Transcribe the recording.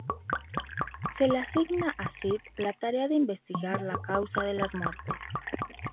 Se le asigna a Sid la tarea de investigar la causa de las muertes.